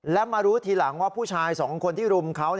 และมารู้ทีหลังว่าผู้ชายสองคนที่รุมเขา